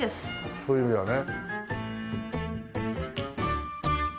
そういう意味ではね。